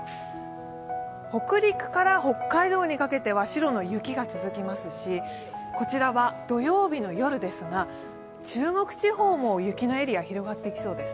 北陸から北海道にかけては白の雪が続きますし、こちらは土曜日の夜ですが中国地方も雪のエリア広がっていきそうです。